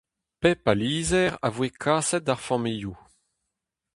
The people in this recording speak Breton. Pep a lizher a voe kaset d'ar familhoù.